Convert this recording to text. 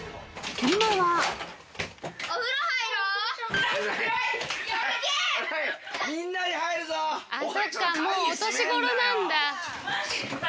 今はそっかもうお年頃なんだ。